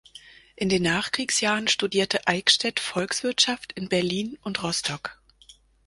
In den Nachkriegsjahren studierte Eickstedt Volkswirtschaft in Berlin und Rostock.